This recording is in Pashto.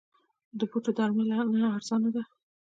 د بوټو درملنه ارزانه ده؟